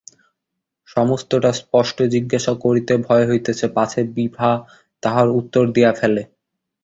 সমস্তটা স্পষ্ট জিজ্ঞাসা করিতে ভয় হইতেছে পাছে বিভা তাহার উত্তর দিয়া ফেলে।